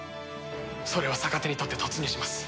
それを逆手にとって突入します。